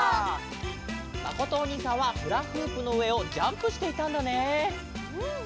まことおにいさんはフラフープのうえをジャンプしていたんだね。